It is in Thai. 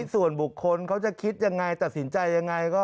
ส่วนบุคคลเขาจะคิดยังไงตัดสินใจยังไง